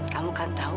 kamu kan tahu